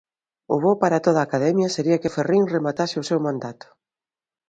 O bo para toda a Academia sería que Ferrín rematase o seu mandato.